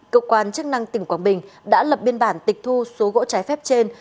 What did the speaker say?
cơ quan chức năng tỉnh quảng bình đã lập biên bản tịch thu số gỗ trái phép trên